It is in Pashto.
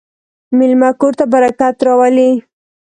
مېلمه کور ته برکت راولي.